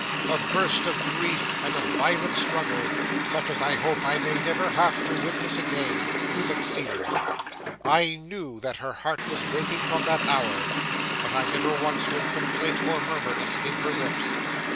A burst of grief, and a violent struggle, such as I hope I may never have to witness again, succeeded. I knew that her heart was breaking from that hour; but I never once heard complaint or murmur escape her lips.